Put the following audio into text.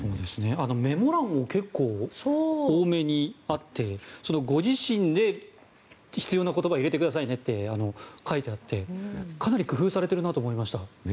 メモ欄も結構多めにあってご自身で必要な言葉を入れてくださいねって書いてあって、かなり工夫されてるなと思いました。